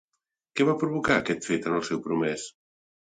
Què va provocar aquest fet en el seu promès?